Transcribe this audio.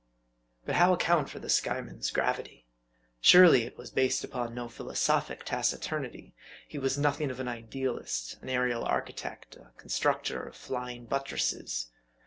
But how account for the Skyeman's gravity ? Surely, it was based upon no philosophic taciturnity ; he was nothing of an idealist ; an aerial architect ; a constructor of flying buttresses.